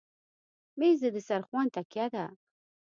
مېز د دسترخوان تکیه ده.